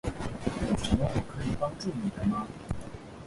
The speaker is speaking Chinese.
有什么我可以帮助你的吗？